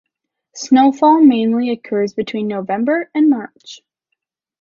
Snowfall mainly occurs between November and March.